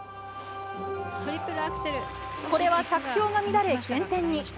これは着氷が乱れ、減点に。